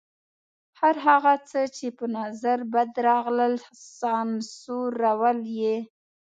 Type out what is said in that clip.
هر هغه څه چې په نظر بد راغلل سانسورول یې.